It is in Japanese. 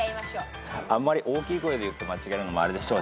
あんまり大きい声で言って間違えるのもあれでしょう。